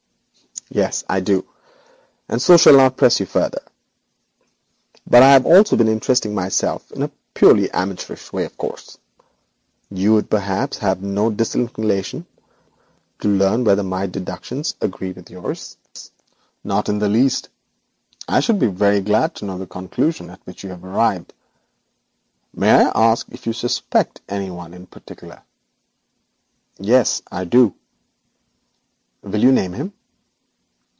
'Yes, I do, and so shall press you no further. But I also have been studying the problem in a purely amateurish way, of course. You will perhaps express no disinclination to learn whether or not my deductions agree with yours.' 'None in the least. I should be very glad to know the conclusion at which you have arrived. May I ask if you suspect any one in particular?' 'Yes, I do.' 'Will you name him?'